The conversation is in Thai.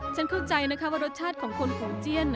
ฉันเข้าใจนะคะว่ารสชาติของคนของเจียน